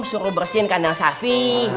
suruh bersihin kandang safi